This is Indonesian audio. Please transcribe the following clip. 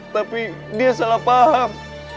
tapi dia salah paham